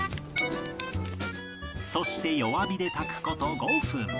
そして弱火で炊く事５分